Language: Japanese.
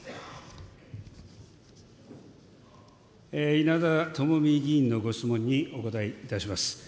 稲田朋美議員のご質問にお答えいたします。